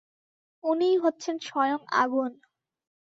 উনিই হচ্ছেন স্বয়ং আগুন।